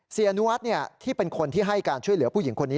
เสียอนุวัฒน์ที่เป็นคนที่ให้การช่วยเหลือผู้หญิงคนนี้